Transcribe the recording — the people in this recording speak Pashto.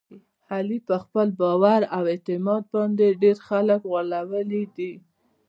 علي په خپل باور او اعتماد باندې ډېر خلک غولولي دي.